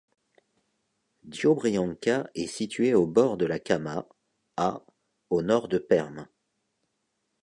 Diobrianka est située au bord de la Kama, à au nord de Perm.